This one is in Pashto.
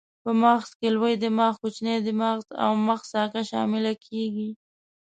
په مغز کې لوی دماغ، کوچنی دماغ او د مغز ساقه شامله کېږي.